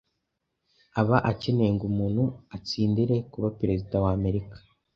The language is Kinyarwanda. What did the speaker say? aba akenewe ngo umuntu atsindire kuba perezida wa Amerika.